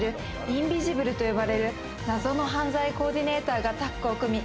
インビジブルと呼ばれる謎の犯罪コーディネーターがタッグを組み